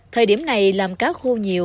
thời điểm này làm cá khô nhiều